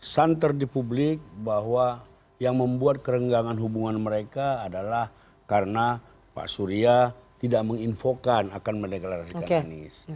santer di publik bahwa yang membuat kerenggangan hubungan mereka adalah karena pak surya tidak menginfokan akan mendeklarasikan anies